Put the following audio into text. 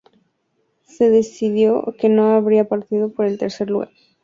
Se decidió que no habría partido por el tercer lugar.